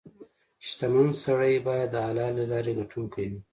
• شتمن سړی باید د حلالې لارې ګټونکې وي.